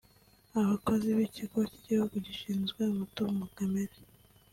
Abakozi b’Ikigo cy’Igihugu gishinzwe umutungo kamere